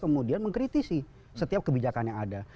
kemudian mengkritisi setiap kebijakan yang ada